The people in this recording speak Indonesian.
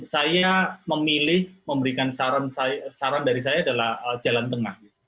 saya memilih memberikan saran dari saya adalah jalan tengah